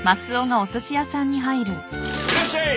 ・いらっしゃい！